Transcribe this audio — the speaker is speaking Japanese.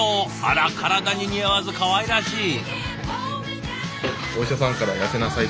あら体に似合わずかわいらしい。